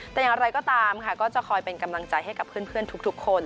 แต่อย่างไรก็ตามค่ะก็จะคอยเป็นกำลังใจให้กับเพื่อนทุกคน